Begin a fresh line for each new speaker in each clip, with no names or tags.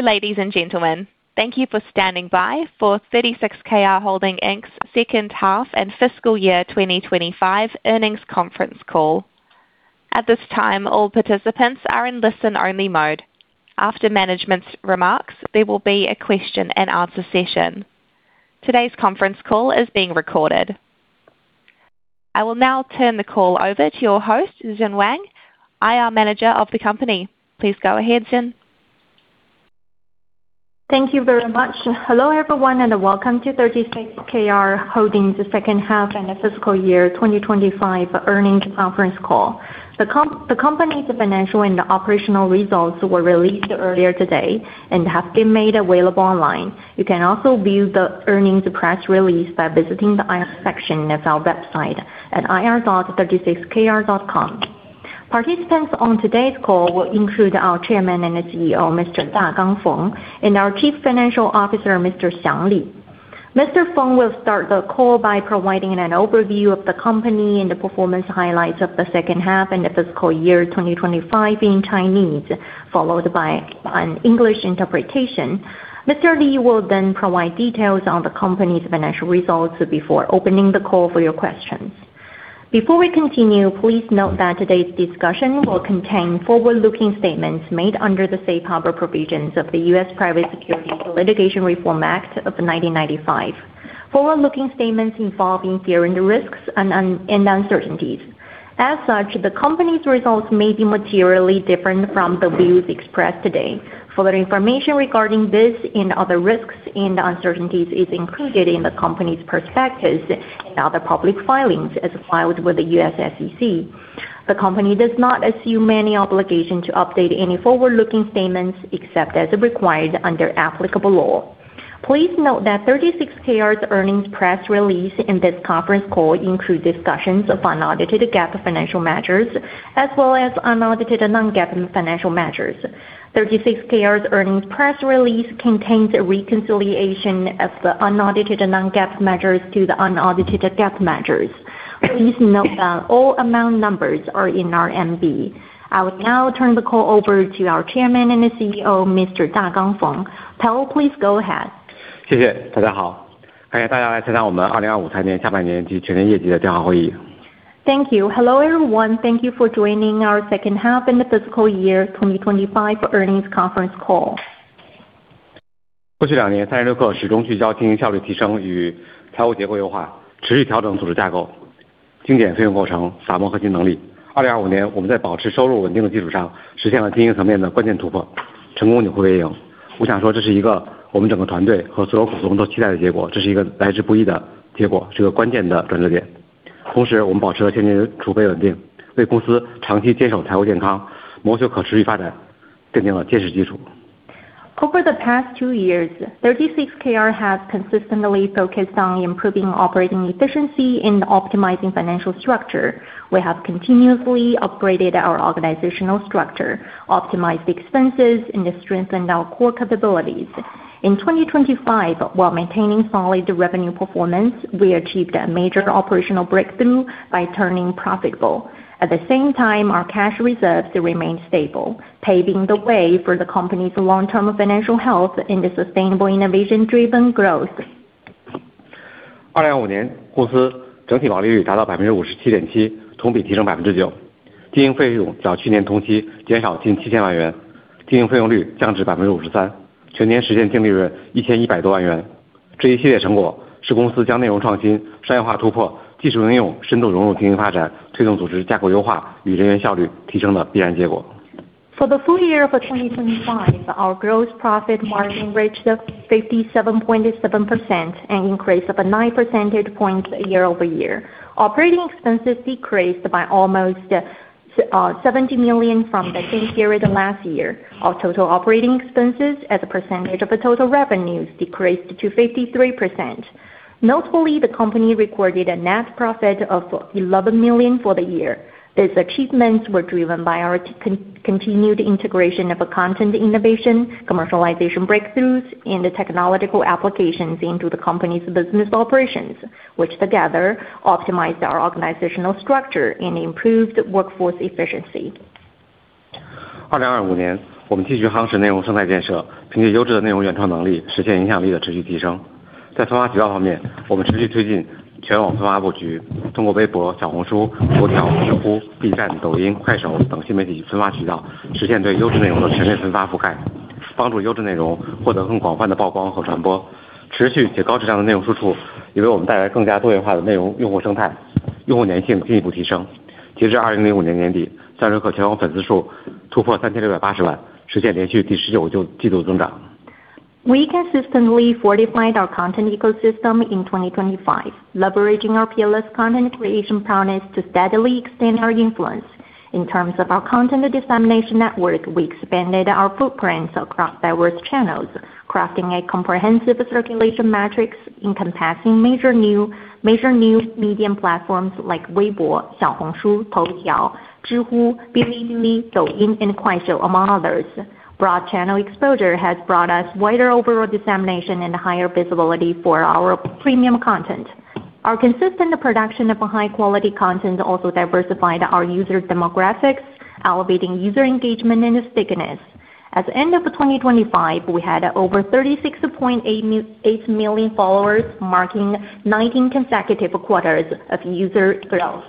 Hello, ladies and gentlemen. Thank you for standing by for 36Kr Holdings Inc.'s second half and fiscal year 2025 earnings conference call. At this time, all participants are in listen-only mode. After management's remarks, there will be a question and answer session. Today's conference call is being recorded. I will now turn the call over to your host, Zhen Wang, IR Manager of the company. Please go ahead, Zhen.
Thank you very much. Hello, everyone, and welcome to 36Kr Holdings Inc.'s second half annual fiscal year 2025 earnings conference call. The company's financial and operational results were released earlier today and have been made available online. You can also view the earnings press release by visiting the IR section of our website at ir.36kr.com. Participants on today's call will include our Chairman and CEO, Mr. Dagang Feng, and our Chief Financial Officer, Mr. Xiang Li. Mr. Feng will start the call by providing an overview of the company and the performance highlights of the second half and the fiscal year 2025 in Chinese, followed by an English interpretation. Mr. Li will then provide details on the company's financial results before opening the call for your questions. Before we continue, please note that today's discussion will contain forward-looking statements made under the safe harbor provisions of the U.S. Private Securities Litigation Reform Act of 1995. Forward-looking statements involve risks and uncertainties. As such, the company's results may be materially different from the views expressed today. Further information regarding this and other risks and uncertainties is included in the company's prospectus and other public filings as filed with the U.S. SEC. The company does not assume any obligation to update any forward-looking statements except as required under applicable law. Please note that 36Kr's earnings press release and this conference call include discussions of unaudited GAAP financial measures as well as unaudited non-GAAP financial measures. 36Kr's earnings press release contains a reconciliation of the unauditednon-GAAP measures to the unaudited GAAP measures. Please note that all amount numbers are in RMB. I will now turn the call over to our Chairman and CEO, Mr. Dagang Feng. Dagang, please go ahead. Thank you. Hello, everyone. Thank you for joining our second half and the fiscal year 2025 earnings conference call. Over the past two years, 36Kr has consistently focused on improving operating efficiency and optimizing financial structure. We have continuously upgraded our organizational structure, optimized the expenses, and strengthened our core capabilities. In 2025, while maintaining solid revenue performance, we achieved a major operational breakthrough by turning profitable. At the same time, our cash reserves remain stable, paving the way for the company's long-term financial health and the sustainable innovation-driven growth. For the full year of 2025, our gross profit margin reached 57.7%, an increase of 9 percentage points year-over-year. Operating expenses decreased by almost 70 million from the same period last year. Our total operating expenses as a percentage of the total revenues decreased to 53%. Notably, the company recorded a net profit of 11 million for the year. These achievements were driven by our continued integration of content innovation, commercialization breakthroughs and the technological applications into the company's business operations, which together optimized our organizational structure and improved workforce efficiency. We consistently fortified our content ecosystem in 2025, leveraging our peerless content creation promise to steadily extend our influence. In terms of our content dissemination network, we expanded our footprints across diverse channels, crafting a comprehensive circulation metrics encompassing major new medium platforms like Weibo, Xiaohongshu, Toutiao, Zhihu, Bilibili, Douyin, and Kuaishou, among others. Broad channel exposure has brought us wider overall dissemination and higher visibility for our premium content. Our consistent production of high quality content also diversified our users demographics, elevating user engagement and stickiness. At the end of 2025, we had over 36.8 million followers, marking 19 consecutive quarters of user growth.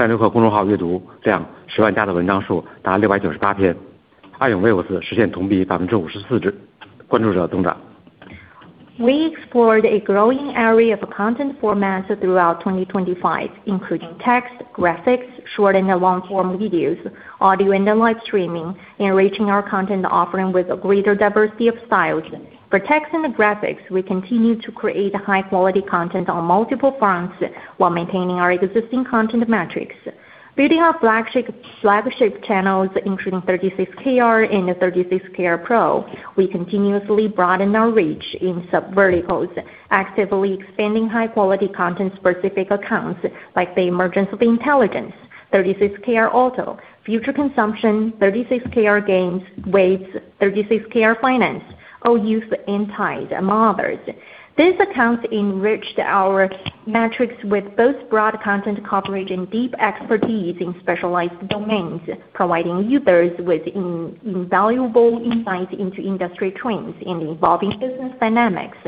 We explored a growing array of content formats throughout 2025, including text, graphics, short and long-form videos, audio and live streaming, enriching our content offering with a greater diversity of styles. For text and graphics, we continue to create high quality content on multiple fronts while maintaining our existing content metrics. Building our flagship channels, including 36Kr and 36Kr Pro, we continuously broaden our reach in sub-verticals, actively expanding high qualitycontent-specific accounts like The Emergence of Intelligence, 36Kr Auto, Future Consumption, 36Kr Games, Waves, 36Kr Finance, Oh! Youth, and Tide, among others. These accounts enriched our metrics with both broad content coverage and deep expertise in specialized domains, providing users with invaluable insights into industry trends and evolving business dynamics.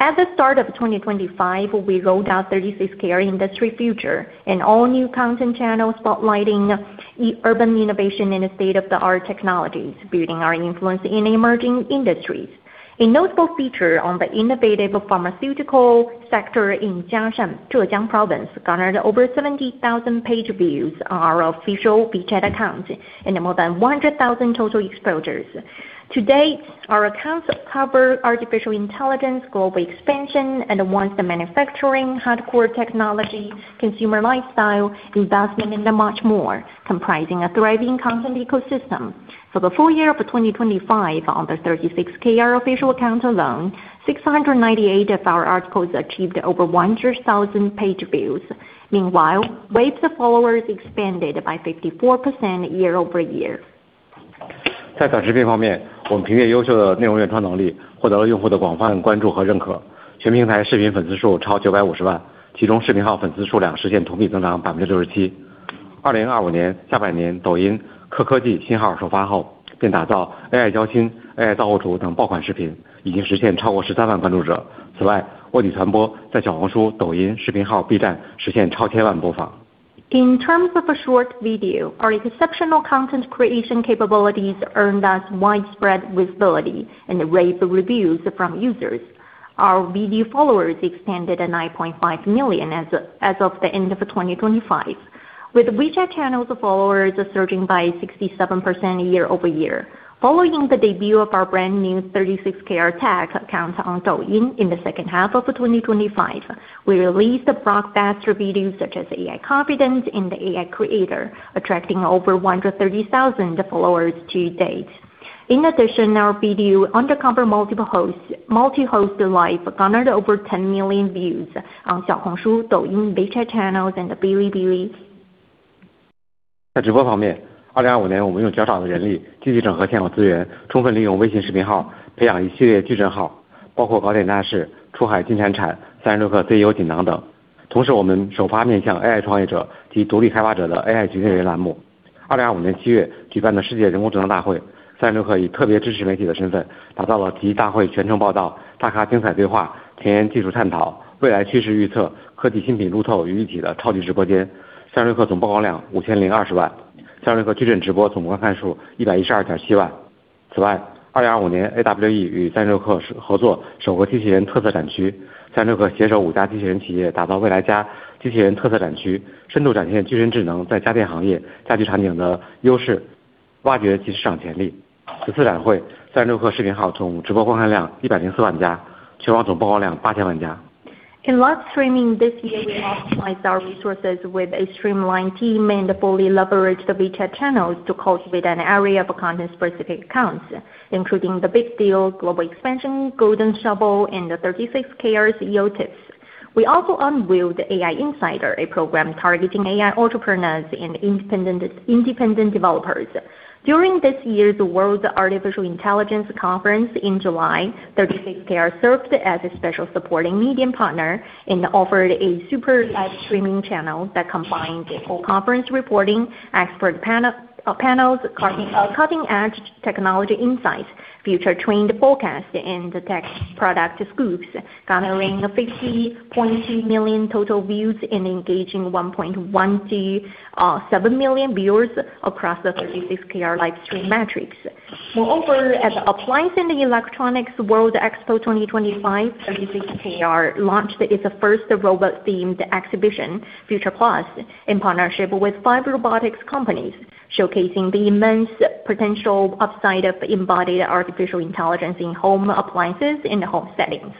At the start of 2025, we rolled out 36Kr Industry Future, an all-new content channel spotlighting urban innovation and state-of-the-art technologies, building our influence in emerging industries. A notable feature on the innovative pharmaceutical sector in Jiaxing, Zhejiang Province, garnered over 70,000 page views on our official WeChat account and more than 100,000 total exposures. To date, our accounts cover artificial intelligence, Global Expansion, advanced manufacturing, hardcore technology, consumer lifestyle, investment and much more, comprising a thriving content ecosystem. For the full year of 2025, on the 36Kr official account alone, 698 of our articles achieved over 100,000 page views. Meanwhile, Waves followers expanded by 54% year-over-year. In terms of a short video, our exceptional content creation capabilities earned us widespread visibility and rave reviews from users. Our video followers expanded to 9.5 million as of the end of 2025, with WeChat Channels followers surging by 67% year-over-year. Following the debut of our brand new 36Kr Tech account on Douyin in the second half of 2025, we released blockbuster videos such as AI Confidence and AI Creator, attracting over 130,000 followers to date. In addition, our video undercover multi-host live garnered over 10 million views on Xiaohongshu, Douyin, WeChat Channels, and Bilibili. In live streaming this year, we optimized our resources with a streamlined team and fully leveraged the WeChat channels to cultivate an array of content-specific accounts, including The Big Deal, Global Expansion, Golden Shovel, and the 36Kr CEO Tips. We also unveiled AI Insider, a program targeting AI entrepreneurs and independent developers. During this year's World Artificial Intelligence Conference in July, 36Kr served as a special supporting media partner and offered a super live streaming channel that combined full conference reporting, expert panels, cutting-edge technology insights, future trend forecasts, and tech product scoops, garnering 50.8 million total views and engaging 1.17 million viewers across the 36Kr live stream metrics. Moreover, at Appliance & Electronics World Expo 2025, 36Kr launched its first robot-themed exhibition, Future Plus, in partnership with five robotics companies, showcasing the immense potential upside of embodied artificial intelligence in home appliances in home settings.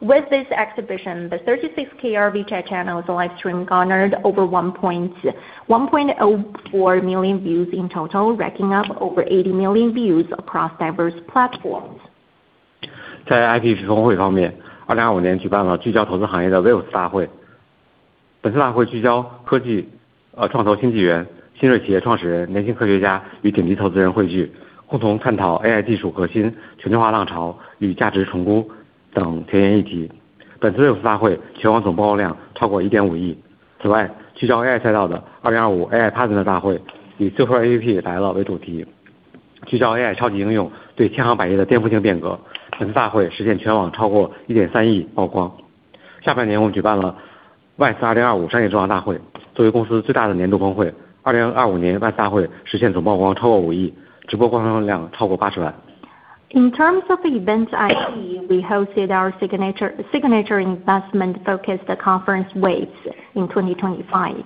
With this exhibition, the 36Kr WeChat channel's livestream garnered over 1.04 million views in total, racking up over 80 million views across diverse platforms.
在IP支付会方面，2025年举办了聚焦投资行业的WAVES大会。本次大会聚焦科技创投新纪元，新锐企业创始人、年轻科学家与顶级投资人汇聚，共同探讨AI技术核心、全球化浪潮与价值成功等前沿议题。本次WAVES大会全网总曝光量超过1.5亿。此外，聚焦AI赛道的2025 AI Partners大会，以"最后APP来了"为主题，聚焦AI超级应用对千行百业的颠覆性变革。本次大会实现全网超过1.3亿曝光。下半年我们举办了WISE 2025商业智库大会，作为公司最大的年度峰会，2025年WISE大会实现总曝光超过5亿，直播观看量超过80万。
In terms of event IP, we hosted our signature investment-focused conference WAVES in 2025,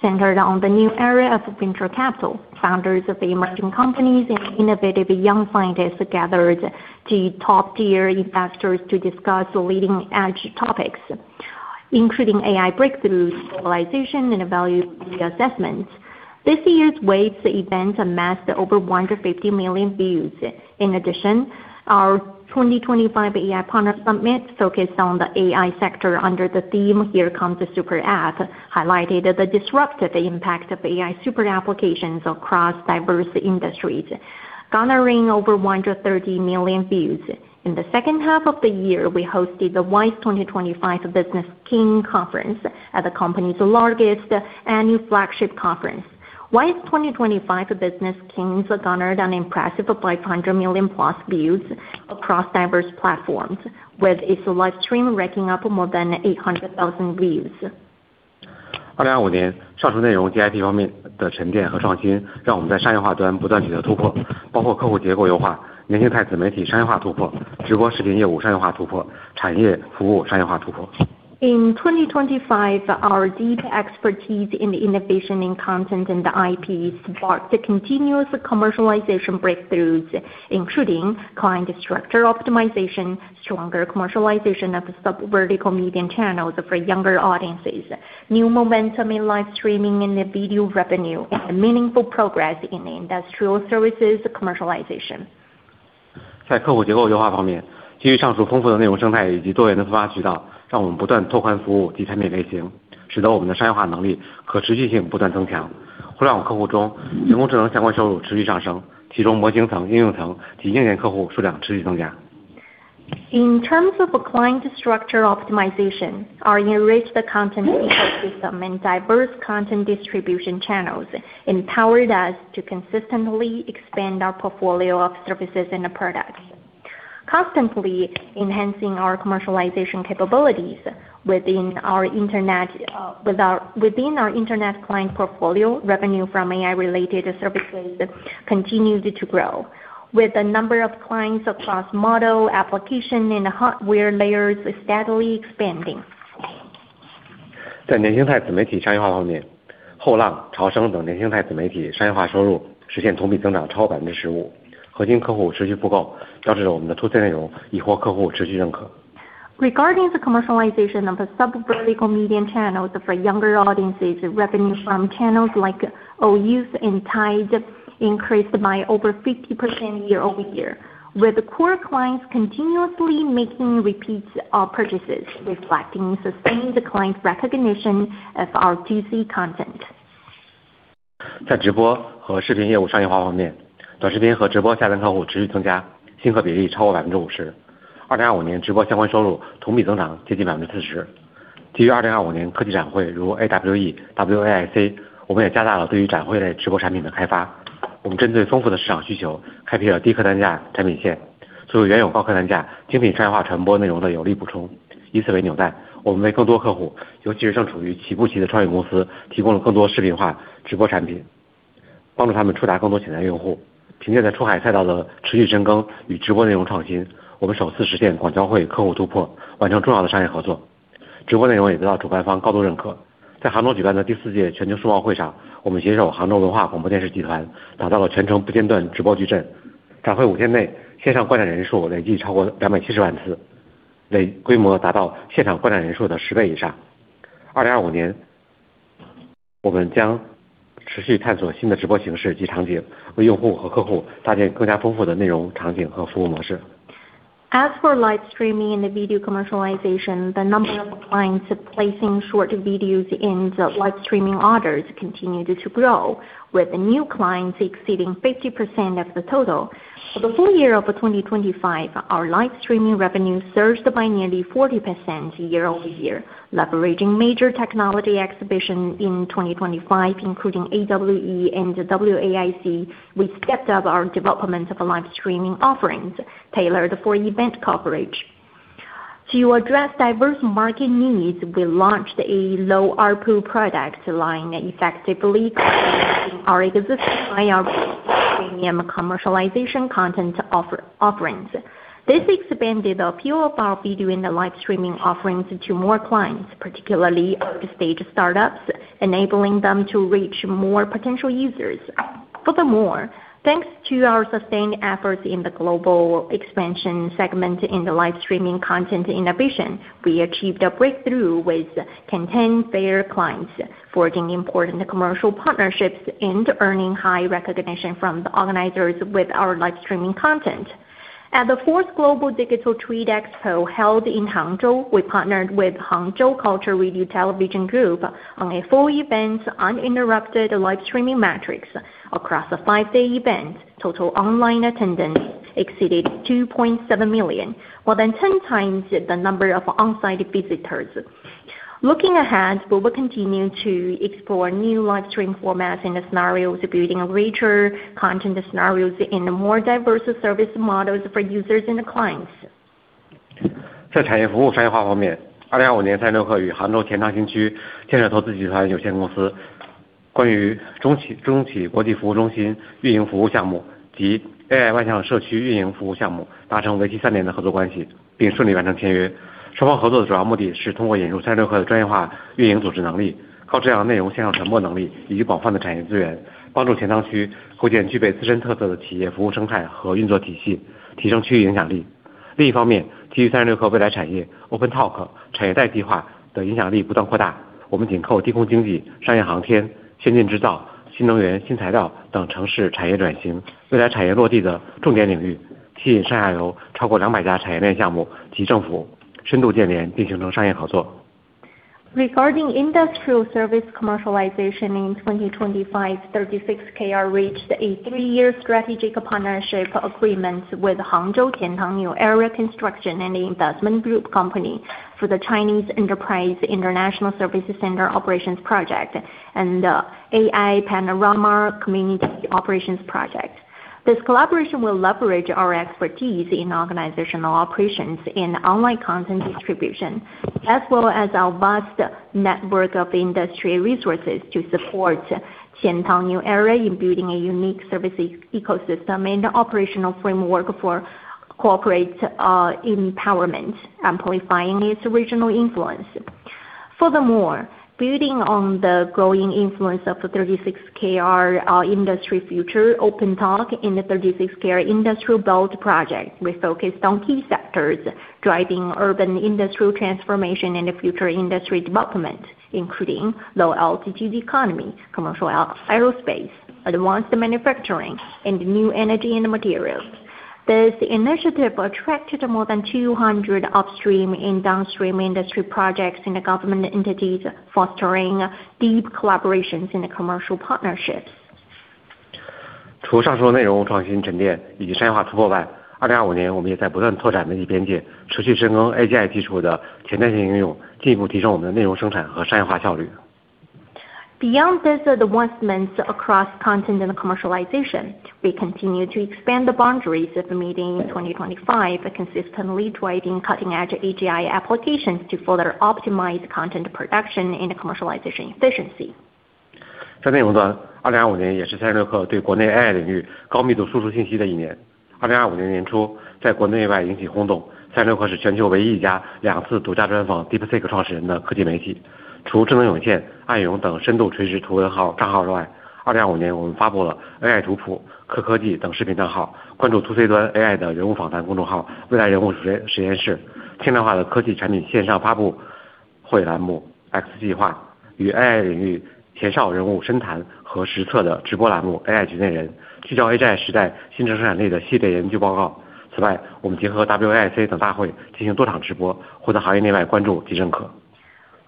centered on the new era of venture capital. Founders of the emerging companies and innovative young scientists gathered with top-tier investors to discuss leading-edge topics including AI breakthroughs, globalization, and value media assessments. This year's WAVES event amassed over 150 million views. In addition, our 2025 AI Partners Summit focused on the AI sector under the theme Here Comes the Super App, highlighted the disruptive impact of AI super applications across diverse industries, garnering over 130 million views. In the second half of the year, we hosted the WISE 2025 Business Kings Conference as the company's largest annual flagship conference. WISE 2025 Business Kings garnered an impressive 500 million-plus views across diverse platforms, with its live stream racking up more than 800,000 views.
二零二五年，上述内容IP方面的沉淀和创新，让我们在商业化端不断取得突破，包括客户结构优化，年轻态自媒体商业化突破，直播视频业务商业化突破，产业服务商业化突破。
In 2025, our deep expertise in innovation in content and IP sparked continuous commercialization breakthroughs including client structure optimization, stronger commercialization of sub-vertical media channels for younger audiences, new momentum in live streaming and video revenue, and meaningful progress in industrial services commercialization.
在客户结构优化方面，基于上述丰富的内容生态以及多元的出发渠道，让我们不断拓宽服务及产品类型，使得我们的商业化能力和持续性不断增强。后浪客户中，人工智能相关收入持续上升，其中模型层、应用层及硬件客户数量持续增加。
In terms of client structure optimization, our enriched content ecosystem and diverse content distribution channels empowered us to consistently expand our portfolio of services and products, constantly enhancing our commercialization capabilities. Within our internet client portfolio, revenue from AI-related services continued to grow, with the number of clients across model application and hardware layers steadily expanding.
在年轻态自媒体商业化方面，后浪、潮生等年轻态自媒体商业化收入实现同比增长超15%。核心客户持续复购，导致我们的突击内容已获客户持续认可。
Regarding the commercialization of sub-vertical media channels for younger audiences, revenue from channels like Oh! Youth and Tide increased by over 50% year-over-year, with core clients continuously making repeat purchases, reflecting sustained client recognition of our ToC content. As for live streaming and video commercialization, the number of clients placing short videos in the live streaming orders continued to grow, with new clients exceeding 50% of the total. For the full year of 2025, our live streaming revenue surged by nearly 40% year over year. Leveraging major technology exhibition in 2025, including AWE and WAIC, we stepped up our development of live streaming offerings tailored for event coverage. To address diverse market needs, we launched a low ARPU product line effectively our existing high ARPU premium commercialization content offerings. This expanded appeal of our video and live streaming offerings to more clients, particularly early-stage startups, enabling them to reach more potential users. Furthermore, thanks to our sustained efforts in the global expansion segment in the live streaming content innovation, we achieved a breakthrough with 10 fair clients, forging important commercial partnerships and earning high recognition from the organizers with our live streaming content. At the fourth Global Digital Trade Expo, held in Hangzhou, we partnered with Hangzhou Cultural Radio and Television Group on a full event uninterrupted live streaming matrix across the five-day event. Total online attendance exceeded 2.7 million, more than 10 times the number of on-site visitors. Looking ahead, we will continue to explore new live stream formats and scenarios, building richer content scenarios in more diverse service models for users and the clients. Regarding industrial service commercialization in 2025, 36Kr reached a three-year strategic partnership agreement with Hangzhou Qiantang New District Construction and Investment Group Company for the Chinese Enterprise International Services Center Operations Project and the AI Panorama Community Operations Project. This collaboration will leverage our expertise in organizational operations and online content distribution, as well as our vast network of industry resources, to support Qiantang New District in building a unique service ecosystem and operational framework for corporate empowerment, amplifying its regional influence. Furthermore, building on the growing influence of 36Kr Industry Future OpenTalk in the 36Kr Industrial Belt project, we focused on key sectors driving urban industrial transformation and future industry development, including low altitude economy, commercial aerospace, advanced manufacturing, and new energy and materials. This initiative attracted more than 200 upstream and downstream industry projects and government entities, fostering deep collaborations in commercial partnerships.
除上述内容创新沉淀以及商业化突破外，二零二五年我们也在不断拓展媒体边界，持续深耕AGI基础的前端应用，进一步提升我们的内容生产和商业化效率。
Beyond these advancements across content and commercialization, we continue to expand the boundaries of media in 2025, consistently driving cutting-edge AGI applications to further optimize content production and commercialization efficiency.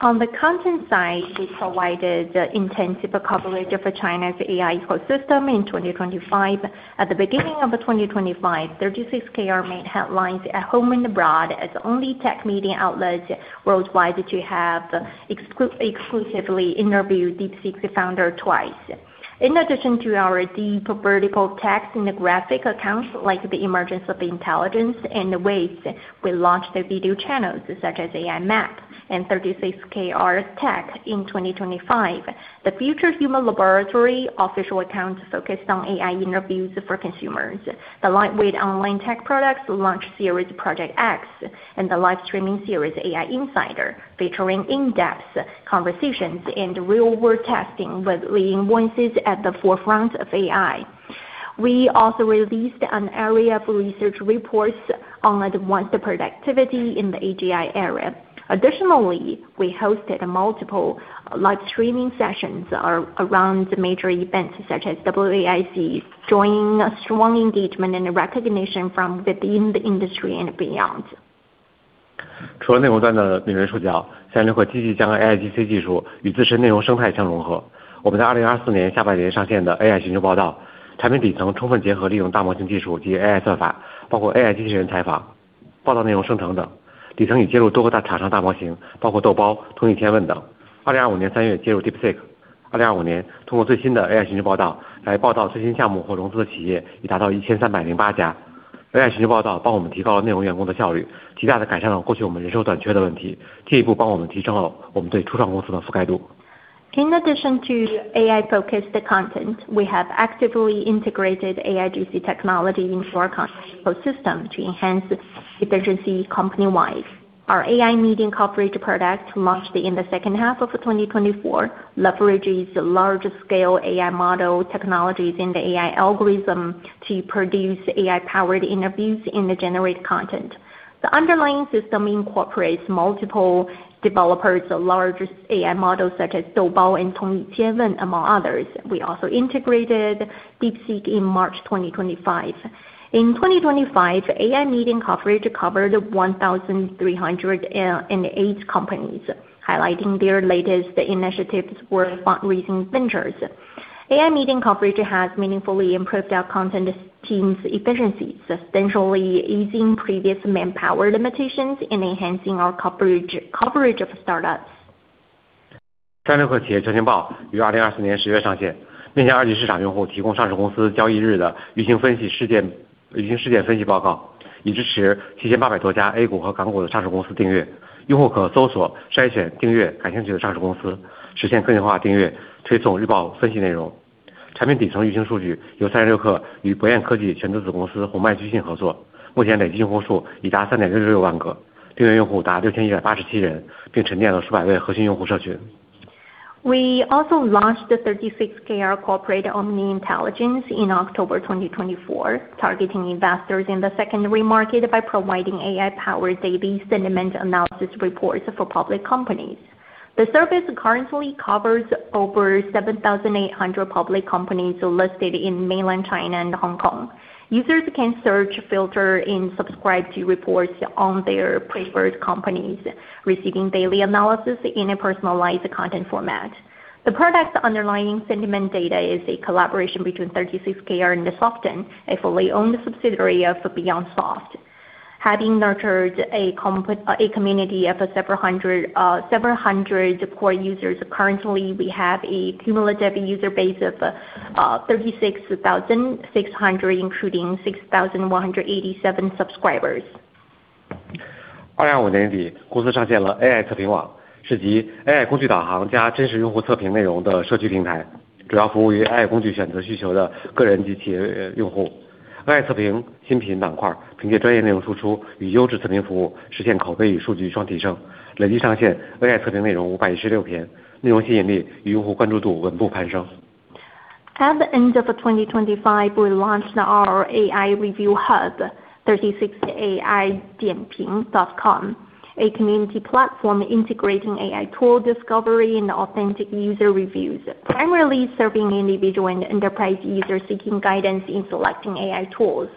On the content side, we provided intensive coverage of China's AI ecosystem in 2025. At the beginning of 2025, 36Kr made headlines at home and abroad as the only tech media outlet worldwide to have exclusively interviewed DeepSeek founder twice. In addition to our deep vertical text and graphic accounts like The Emergence of Intelligence and Waves, we launched video channels such as AI Map and 36Kr Tech in 2025. The Future Human Laboratory official account focused on AI interviews for consumers. The lightweight online tech products launch series Project X, and the live streaming series AI Insider, featuring in-depth conversations and real-world testing with leading voices at the forefront of AI. We also released a series of research reports on advanced productivity in the AGI era. Additionally, we hosted multiple live streaming sessions around major events such as WAIC, drawing strong engagement and recognition from within the industry and beyond. In addition to AI-focused content, we have actively integrated AIGC technology into our content ecosystem to enhance efficiency company-wide. Our AI meeting coverage product launched in the second half of 2024 leverages large-scale AI model technologies in the AI algorithm to produce AI-powered interviews and generate content. The underlying system incorporates multiple developers of large AI models such as Doubao and Tongyi Qianwen, among others. We also integrated DeepSeek in March 2025. In 2025, AI meeting coverage covered 1,308 companies, highlighting their latest initiatives or fundraising ventures. AI meeting coverage has meaningfully improved our content team's efficiency, substantially easing previous manpower limitations and enhancing our coverage of startups. We also launched the 36Kr Corporate Omni-Intelligence in October 2024, targeting investors in the secondary market by providing AI-powered daily sentiment analysis reports for public companies. The service currently covers over 7,800 public companies listed in Mainland China and Hong Kong. Users can search, filter and subscribe to reports on their preferred companies, receiving daily analysis in a personalized content format. The product's underlying sentiment data is a collaboration between 36Kr and 鸿脉聚信, a fully-owned subsidiary of Beyondsoft. Having nurtured a community of several hundred core users, currently we have a cumulative user base of 36,600, including 6,187 subscribers.
2025年底，公司上线了AI测评网，是集AI工具导航加真实用户测评内容的社区平台，主要服务于AI工具选择需求的个人及企业用户。AI测评新品板块凭借专业内容输出与优质测评服务，实现口碑与数据双提升。累计上线AI测评内容516篇，内容吸引力与用户关注度稳步攀升。
At the end of 2025, we launched our AI review hub, 36AI Dianping.com, a community platform integrating AI tool discovery and authentic user reviews. Primarily serving individual and enterprise users seeking guidance in selecting AI tools.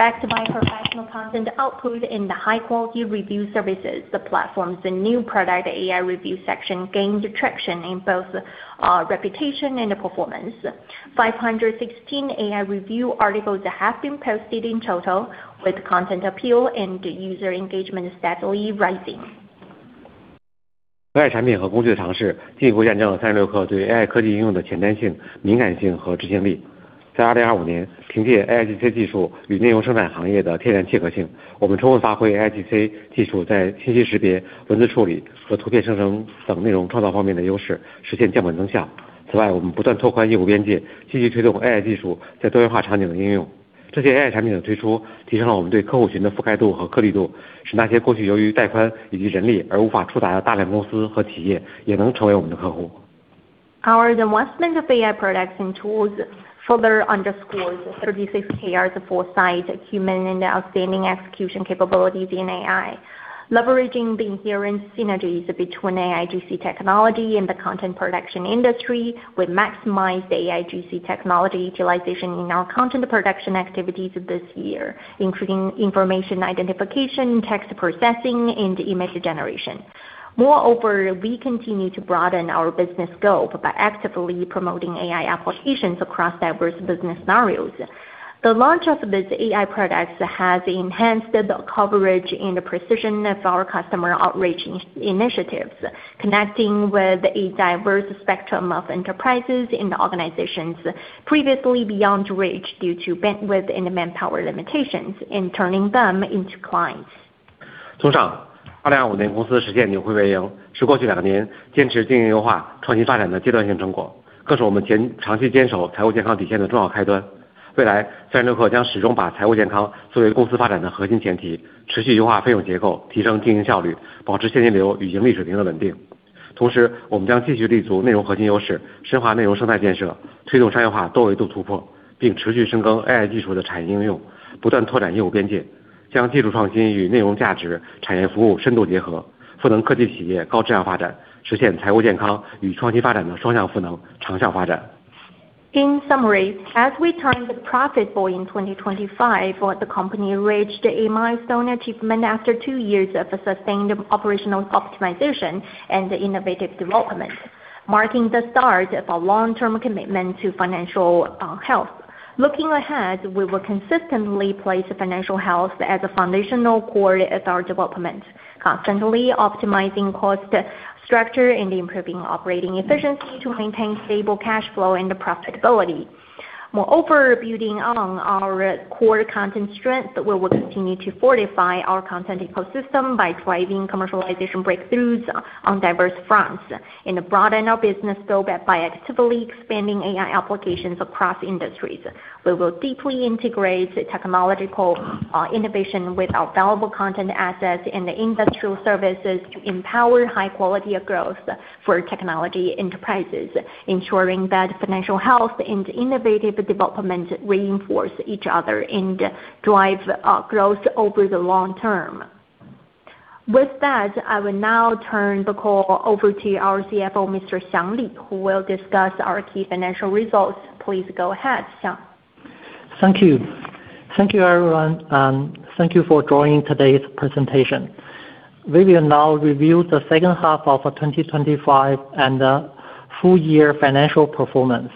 Backed by professional content output and high-quality review services, the platform's new product AI review section gained traction in both reputation and performance. 516 AI review articles have been posted in total, with content appeal and user engagement steadily rising.
AI产品和工具的尝试，进一步验证了36氪对AI科技应用的前瞻性、敏感性和执行力。在2025年，凭借AIGC技术与内容生产行业的天然契合性，我们充分发挥AIGC技术在信息识别、文字处理和图片生成等内容创造方面的优势，实现降本增效。此外，我们不断拓宽业务边界，积极推动AI技术在多元化场景的应用。这些AI产品的推出，提升了我们对客户群的覆盖度和颗粒度，使那些过去由于带宽以及人力而无法触达到的大量公司和企业也能成为我们的客户。
Our investment of AI products and tools further underscores 36Kr's foresight, human and outstanding execution capabilities in AI. Leveraging the inherent synergies between AIGC technology and the content production industry, we maximize the AIGC technology utilization in our content production activities this year, including information identification, text processing, and image generation. Moreover, we continue to broaden our business scope by actively promoting AI applications across diverse business scenarios. The launch of these AI products has enhanced the coverage and precision of our customer outreach initiatives, connecting with a diverse spectrum of enterprises and organizations previously beyond reach due to bandwidth and manpower limitations and turning them into clients. In summary, as we turned profitable in 2025, the company reached a milestone achievement after two years of sustained operational optimization and innovative development, marking the start of a long-term commitment to financial health. Looking ahead, we will consistently place financial health as a foundational core of our development, constantly optimizing cost structure and improving operating efficiency to maintain stable cash flow and profitability. Moreover, building on our core content strength, we will continue to fortify our content ecosystem by driving commercialization breakthroughs on diverse fronts and broaden our business scope by actively expanding AI applications across industries. We will deeply integrate technological innovation with our valuable content assets in the industrial services to empower high quality of growth for technology enterprises, ensuring that financial health and innovative development reinforce each other and drive growth over the long term. With that, I will now turn the call over to our CFO, Mr. Xiang Li, who will discuss our key financial results. Please go ahead, Xiang.
Thank you. Thank you, everyone, and thank you for joining today's presentation. We will now review the second half of 2025 and the full year financial performance.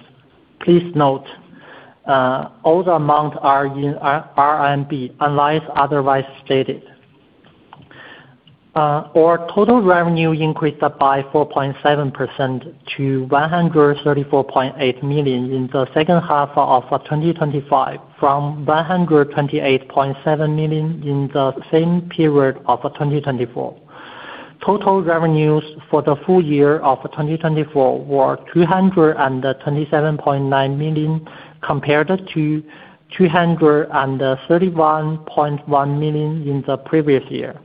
Please note, all the amounts are in RMB unless otherwise stated. Our total revenue increased by 4.7% to 134.8 million in the second half of 2025, from 128.7 million in the same period of 2024. Total revenues for the full year of 2024 were 327.9 million, compared to 331.1 million in the previous year.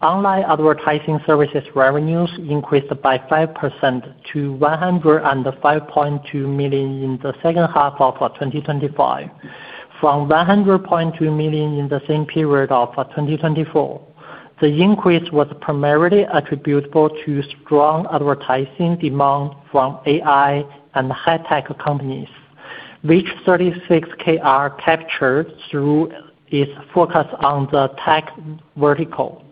Online advertising services revenues increased by 5% to 105.2 million in the second half of 2025, from 100.2 million in the same period of 2024. The increase was primarily attributable to strong advertising demand from AI and high tech companies, which 36Kr captured through its focus on the tech vertical.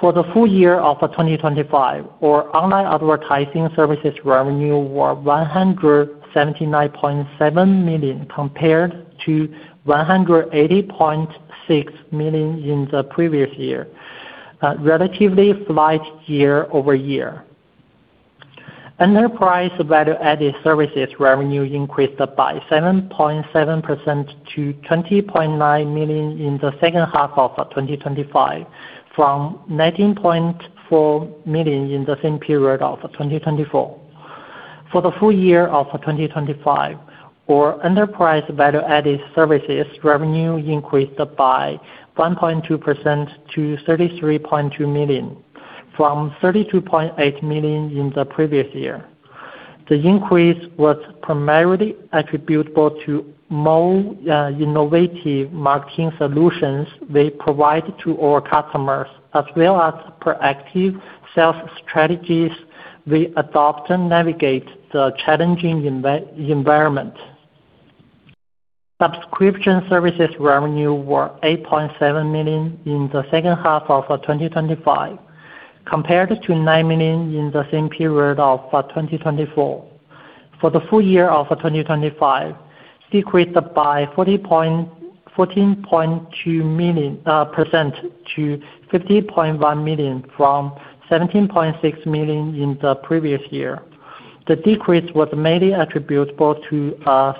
For the full year of 2025, our online advertising services revenue were 179.7 million, compared to 180.6 million in the previous year, relatively slight year-over-year. Enterprise value-added services revenue increased by 7.7% to 20.9 million in the second half of 2025, from 19.4 million in the same period of 2024. For the full year of 2025, our enterprise value-added services revenue increased by 1.2% to 33.2 million, from 32.8 million in the previous year. The increase was primarily attributable to more innovative marketing solutions we provide to our customers, as well as proactive sales strategies we adopt to navigate the challenging environment. Subscription services revenue were 8.7 million in the second half of 2025, compared to 9 million in the same period of 2024. For the full year of 2025, decreased by 14.2% to 50.1 million from 17.6 million in the previous year. The decrease was mainly attributable to a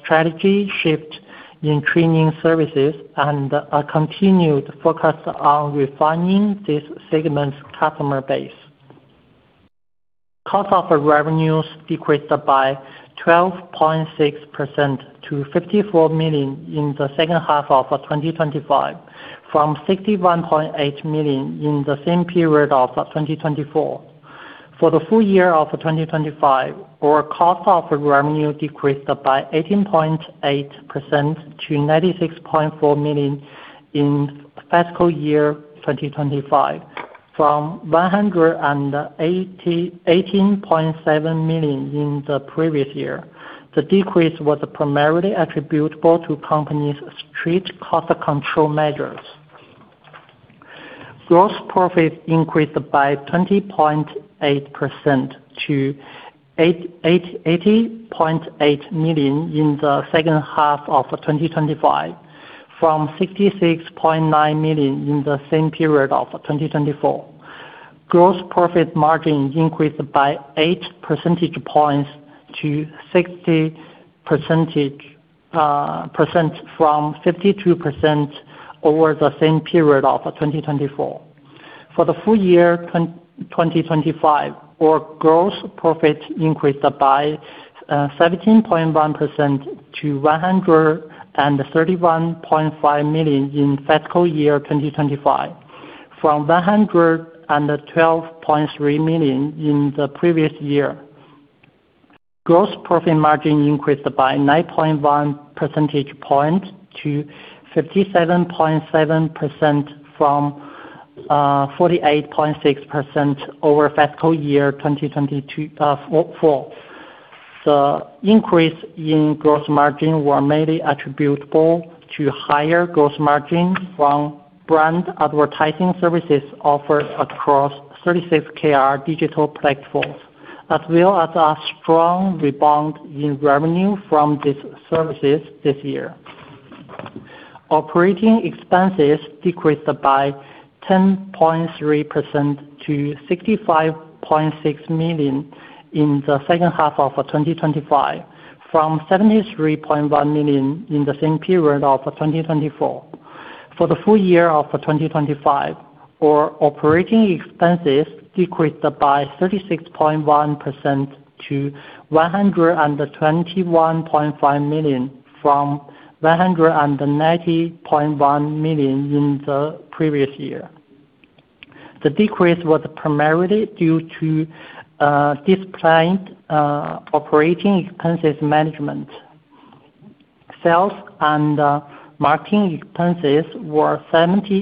strategy shift in training services and a continued focus on refining this segment's customer base. Cost of revenues decreased by 12.6% to 54 million in the second half of 2025, from 61.8 million in the same period of 2024. For the full year of 2025, our cost of revenue decreased by 18.8% to 96.4 million in fiscal year 2025, from 118.7 million in the previous year. The decrease was primarily attributable to the company's strict cost control measures. Gross profits increased by 20.8% to 88.8 million in the second half of 2025, from 66.9 million in the same period of 2024. Gross profit margin increased by 8 percentage points to 60% from 52% over the same period of 2024. For the full year 2025, our gross profits increased by 17.1% to 131.5 million in fiscal year 2025, from 112.3 million in the previous year. Gross profit margin increased by 9.1 percentage points to 57.7% from 48.6% over fiscal year 2022-24. The increase in gross margin were mainly attributable to higher gross margin from brand advertising services offered across 36Kr digital platforms, as well as a strong rebound in revenue from these services this year. Operating expenses decreased by 10.3% to 65.6 million in the second half of 2025, from 73.1 million in the same period of 2024. For the full year of 2025, our operating expenses decreased by 36.1% to 121.5 million from 190.1 million in the previous year. The decrease was primarily due to disciplined operating expenses management. Sales and marketing expenses were 37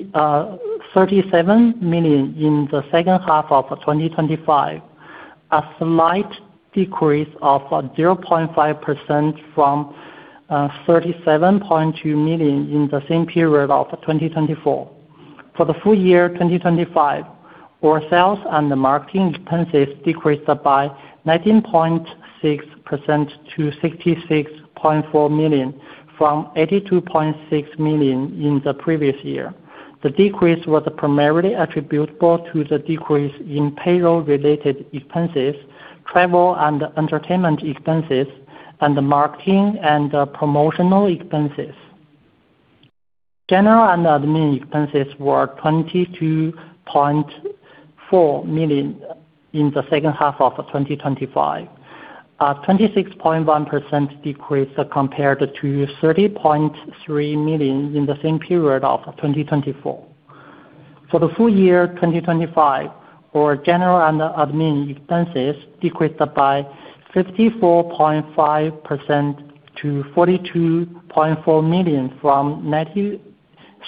million in the second half of 2025, a slight decrease of 0.5% from 37.2 million in the same period of 2024. For the full year 2025, our sales and the marketing expenses decreased by 19.6% to 66.4 million from 82.6 million in the previous year. The decrease was primarily attributable to the decrease in payroll-related expenses, travel and entertainment expenses, and the marketing and promotional expenses. General and admin expenses were 22.4 million in the second half of 2025. 26.1% decrease compared to 30.3 million in the same period of 2024. For the full year 2025, our general and admin expenses decreased by 54.5% to 42.4 million from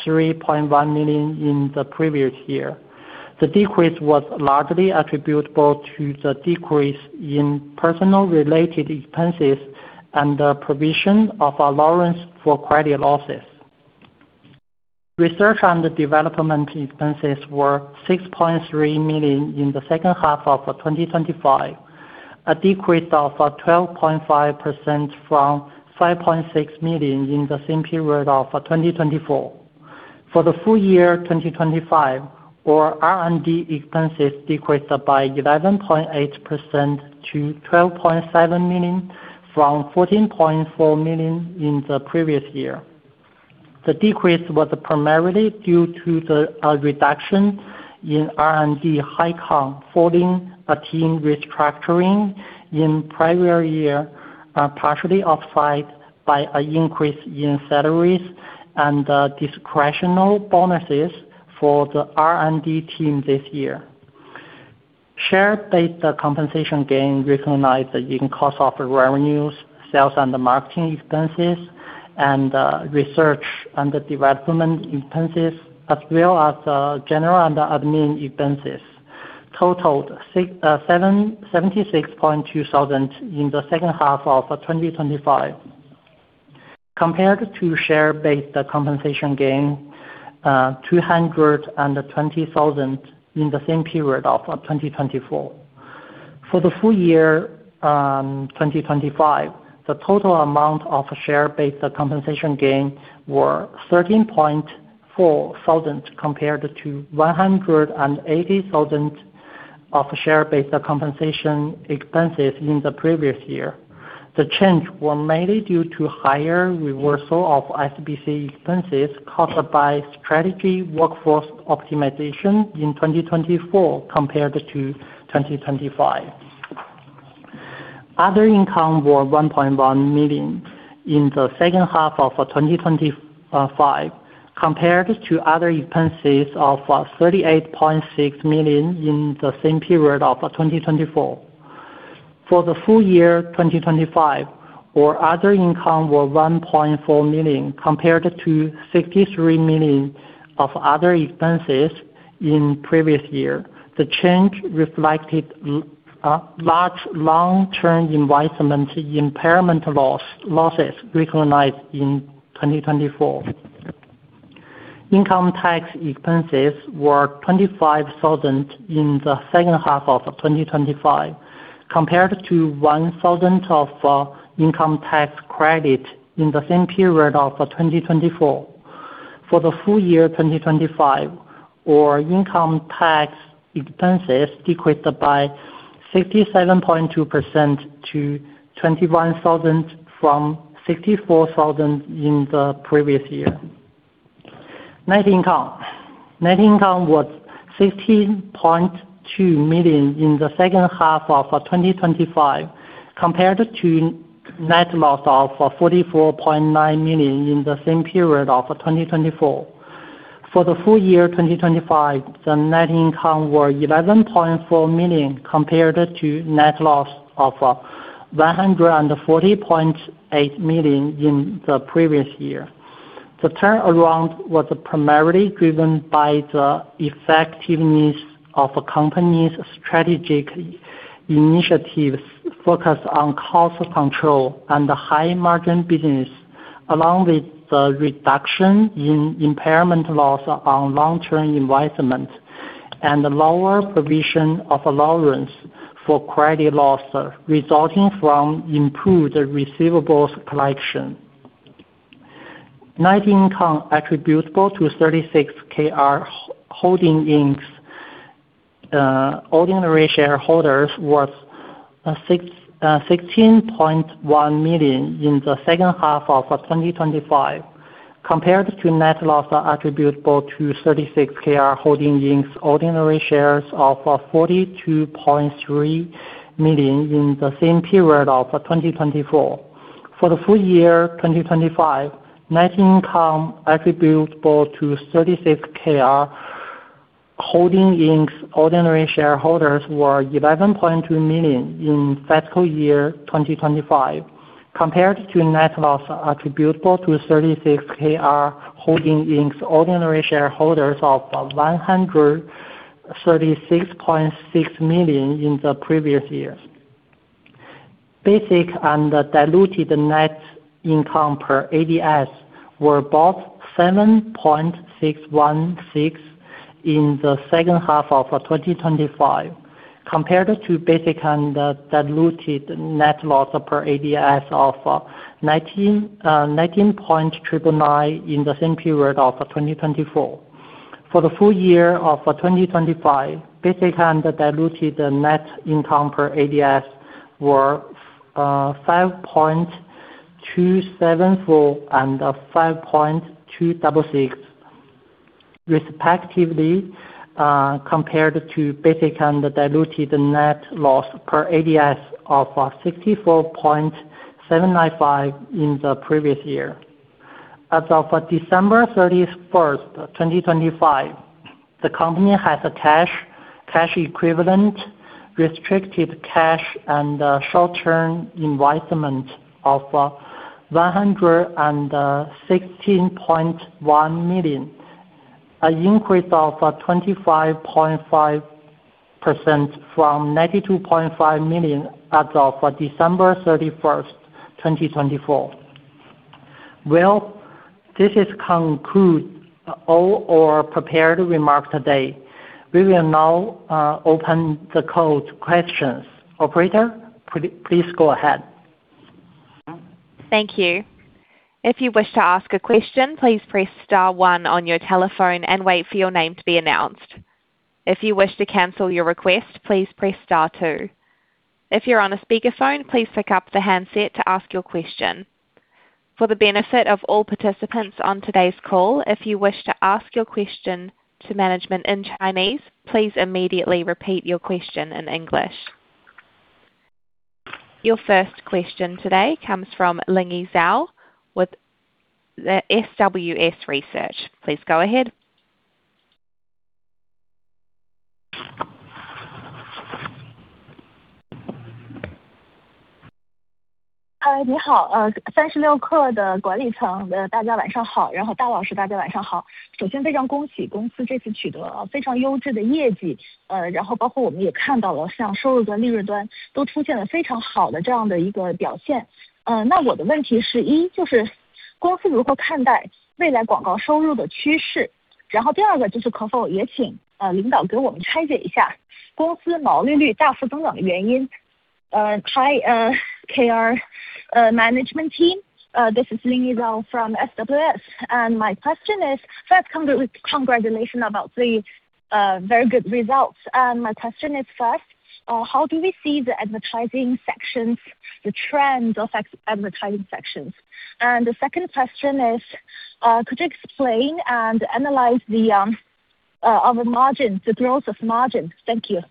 93.1 million in the previous year. The decrease was largely attributable to the decrease in personnel-related expenses and the provision of allowance for credit losses. Research and development expenses were 6.3 million in the second half of 2025, a decrease of 12.5% from 5.6 million in the same period of 2024. For the full year 2025, our R&D expenses decreased by 11.8% to 12.7 million from 14.4 million in the previous year. The decrease was primarily due to the reduction in R&D headcount following a team restructuring in prior year, partially offset by an increase in salaries and discretionary bonuses for the R&D team this year. Share-based compensation gain recognized in cost of revenues, sales and marketing expenses, and research and development expenses, as well as general and administrative expenses totaled 76,200 in the second half of 2025, compared to share-based compensation gain 220,000 in the same period of 2024. For the full year 2025, the total amount of share-based compensation gain were 13,400 compared to 180,000 of share-based compensation expenses in the previous year. The change were mainly due to higher reversal of SBC expenses caused by strategic workforce optimization in 2024 compared to 2025. Other income were 1.1 million in the second half of 2025, compared to other expenses of 38.6 million in the same period of 2024. For the full year 2025, our other income were 1.4 million compared to 63 million of other expenses in previous year. The change reflected large long-term investment impairment losses recognized in 2024. Income tax expenses were 25,000 in the second half of 2025, compared to 1,000 of income tax credit in the same period of 2024. For the full year 2025, our income tax expenses decreased by 67.2% to 21,000 from 64,000 in the previous year. Net income. Net income was 16.2 million in the second half of 2025 compared to net loss of 44.9 million in the same period of 2024. For the full year 2025, the net income was 11.4 million compared to net loss of 140.8 million in the previous year. The turnaround was primarily driven by the effectiveness of a company's strategic initiatives focused on cost control and the high margin business, along with the reduction in impairment loss on long-term investments. The lower provision of allowance for credit loss resulting from improved receivables collection. Net income attributable to 36Kr Holdings Inc.'s ordinary shareholders was 16.1 million in the second half of 2025, compared to net loss attributable to 36Kr Holdings Inc.'s ordinary shares of 42.3 million in the same period of 2024. For the full year 2025, net income attributable to 36Kr Holdings Inc.'s ordinary shareholders were 11.2 million in fiscal year 2025, compared to net loss attributable to 36Kr Holdings Inc.'s ordinary shareholders of 136.6 million in the previous years. Basic and diluted net income per ADS were both 7.616 in the second half of 2025, compared to basic and diluted net loss per ADS of $19.999 in the same period of 2024. For the full year of 2025, basic and diluted net income per ADS were $5.274 and $5.266 respectively, compared to basic and diluted net loss per ADS of $64.795 in the previous year. As of December 31st, 2025, the company has cash equivalents, restricted cash and short-term investments of 116.1 million, an increase of 25.5% from 92.5 million as of December 31st, 2024. Well, this concludes all our prepared remarks today. We will now open the call to questions. Operator, please go ahead.
Thank you. If you wish to ask a question, please press star one on your telephone and wait for your name to be announced. If you wish to cancel your request, please press star two. If you're on a speakerphone, please pick up the handset to ask your question. For the benefit of all participants on today's call, if you wish to ask your question to management in Chinese, please immediately repeat your question in English. Your first question today comes from Lingyi Zhao with the SWS Research. Please go ahead.
嗨，三十六氪的管理层大家晚上好，大家晚上好。首先非常恭喜公司这次取得了非常优质的业绩，然后包括我们也看到了像收入端、利润端都出现了非常好的这样的一个表现。那我的问题是，一就是公司如何看待未来广告收入的趋势？然后第二个就是可否也请领导给我们拆解一下公司毛利率大幅增长的原因。Hi, 36Kr management team, this is Lingyi Zhao from SWS Research. My question is, first, congratulations about the very good results. My question is, first, how do we see the advertising sections, the trends affect advertising sections? The second question is, could you explain and analyze our margin, the growth of margin? Thank you.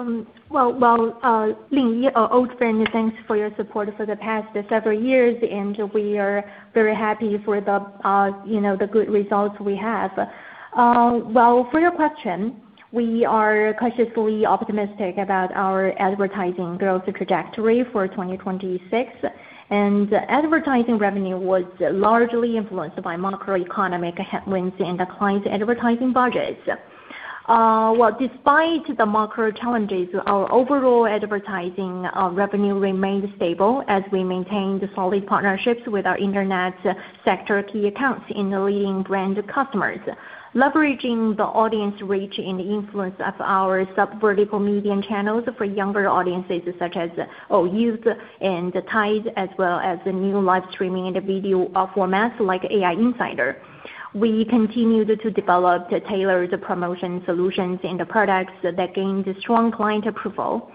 Old friend, thanks for your support for the past several years, and we are very happy for the good results we have. For your question, we are cautiously optimistic about our advertising growth trajectory for 2026. Advertising revenue was largely influenced by macroeconomic headwinds and declines in advertising budgets. Despite the macro challenges, our overall advertising revenue remained stable as we maintained solid partnerships with our internet sector key accounts and the leading brand customers. Leveraging the audience reach and influence of our subvertical media channels for younger audiences, such as Oh! Youth and Tide, as well as the new live streaming and video formats like AI Insider, we continued to develop the tailored promotion solutions and the products that gained strong client approval.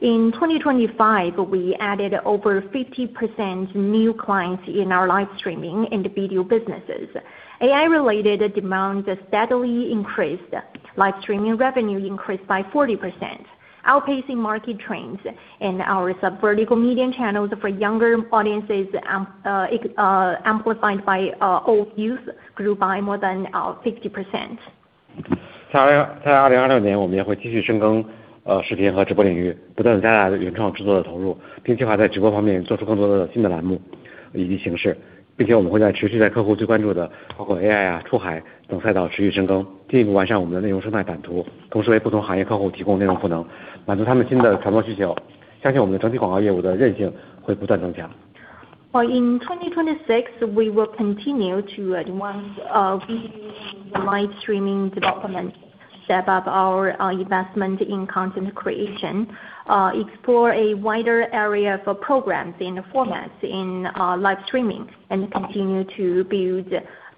In 2025, we added over 50% new clients in our live streaming and video businesses. AI-related demand steadily increased. Live streaming revenue increased by 40%, outpacing market trends. Our subvertical media channels for younger audiences, amplified by Oh! Youth, grew by more than 50%. In 2026, we will continue to advance the live streaming development, step up our investment in content creation, explore a wider area for programs in the formats in live streaming, and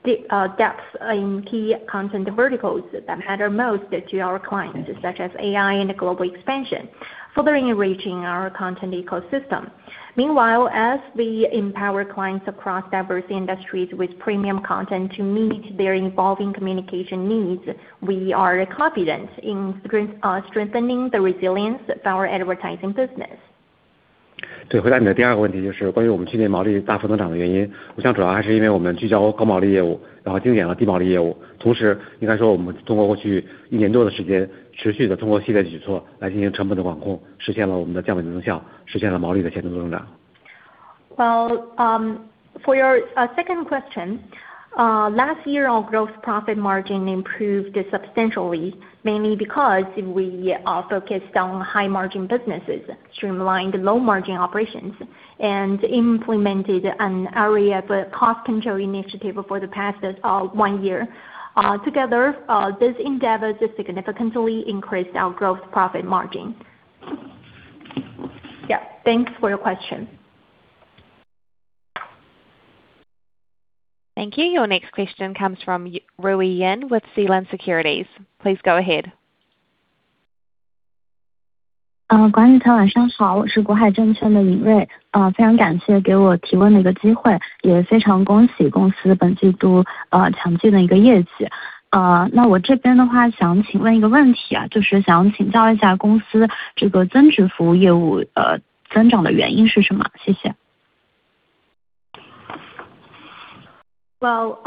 continue to build depth in key content verticals that matter most to our clients, such as AI and global expansion, further enriching our content ecosystem. Meanwhile, as we empower clients across diverse industries with premium content to meet their evolving communication needs, we are confident in strengthening the resilience of our advertising business. Well, for your second question, last year, our gross profit margin improved substantially, mainly because we focused on high-margin businesses, streamlined low-margin operations, and implemented an era of cost control initiative for the past one year. Together, this endeavors have significantly increased our gross profit margin. Yeah. Thanks for your question.
Thank you. Your next question comes from Rui Yin with Sealand Securities. Please go ahead.
Uh,
Well,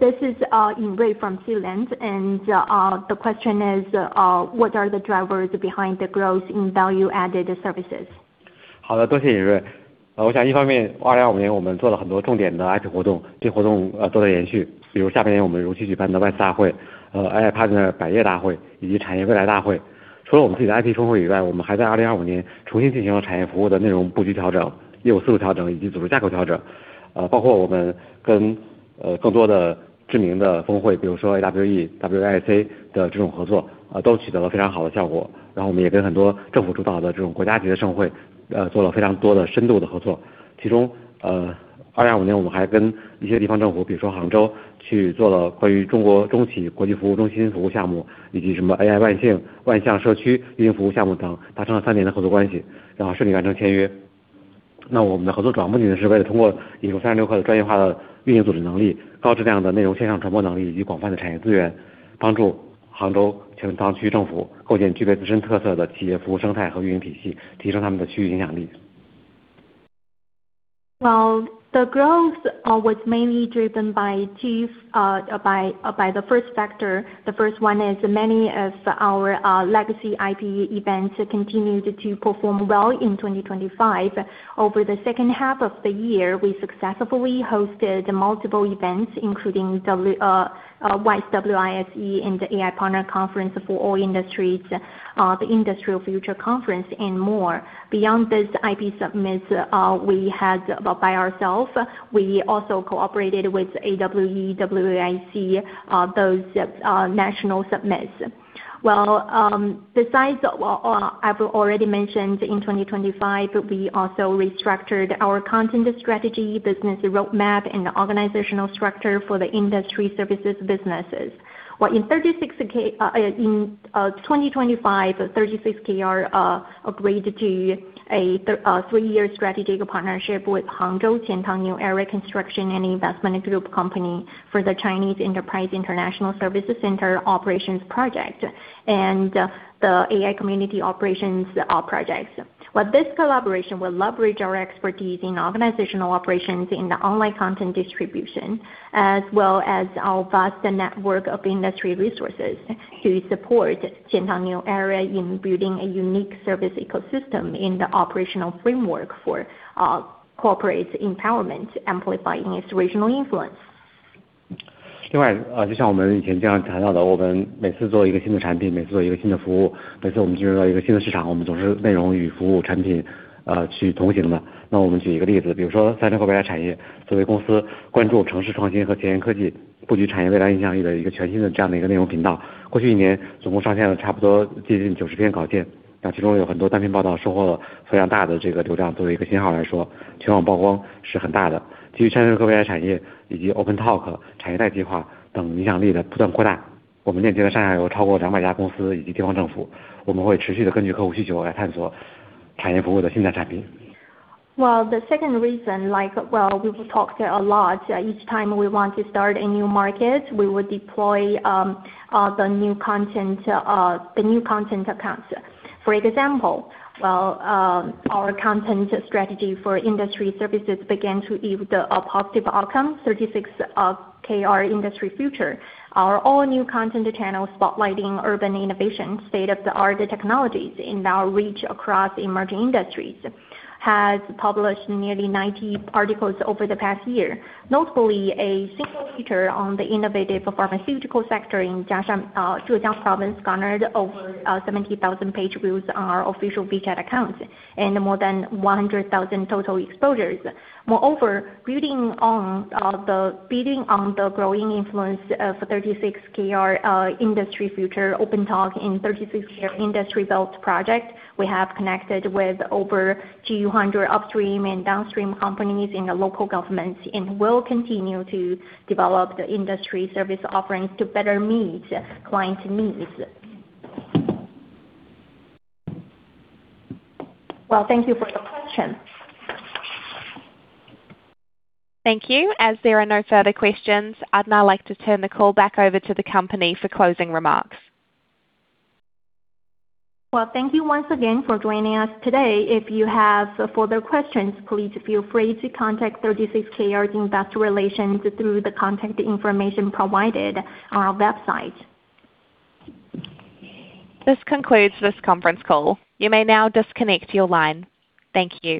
this is Rui Yin from CLSA, and the question is, what are the drivers behind the growth in value-added services? Well, the growth was mainly driven by the first factor. The first one is many of our legacy IP events continued to perform well in 2025. Over the second half of the year, we successfully hosted multiple events, including the WISE, W-I-S-E, and the AI Partners Conference for all industries, the Industry Future Conference and more. Beyond these IP summits, we had by ourselves, we also cooperated with AWE, WAIC, those national summits. Well, besides, I've already mentioned in 2025, we also restructured our content strategy, business roadmap, and organizational structure for the industry services businesses. In 2025, 36Kr upgraded to a three-year strategic partnership with Hangzhou Qiantang New Era Construction and Investment Group Company for the Chinese Enterprise International Services Center Operations Project and the AI community operations projects. This collaboration will leverage our expertise in organizational operations in the online content distribution, as well as our vast network of industry resources to support Qiantang New Era in building a unique service ecosystem in the operational framework for corporate empowerment employed by institutional influence. The second reason, like, we've talked a lot. Each time we want to start a new market, we will deploy the new content accounts. For example, our content strategy for industry services began to yield a positive outcome. 36Kr Industry Future, our all-new content channel spotlighting urban innovation, state-of-the-art technologies and our reach across emerging industries, has published nearly 90 articles over the past year. Notably, a single feature on the innovative pharmaceutical sector in Jiaxing, Zhejiang Province garnered over 70,000 page views on our official WeChat account and more than 100,000 total exposures. Moreover, building on the growing influence of 36Kr Industry Future OpenTalk in 36Kr industry belt project, we have connected with over 200 upstream and downstream companies in the local government and will continue to develop the industry service offerings to better meet client needs. Well, thank you for your question.
Thank you. As there are no further questions, I'd now like to turn the call back over to the company for closing remarks.
Well, thank you once again for joining us today. If you have further questions, please feel free to contact 36Kr Investor Relations through the contact information provided on our website.
This concludes this conference call. You may now disconnect your line. Thank you.